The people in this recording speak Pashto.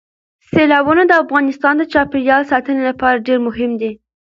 سیلابونه د افغانستان د چاپیریال ساتنې لپاره ډېر مهم دي.